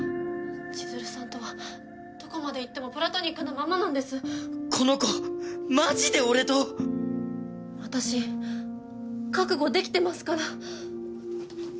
千鶴さんとはどこまでいってもプラトニックなままなんです私覚悟できてますから！